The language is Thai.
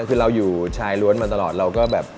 คือเราอยู่ชายล้วนมาตลอดเราก็แบบ